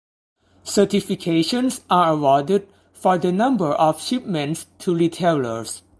Certifications are awarded for the number of shipments to retailers.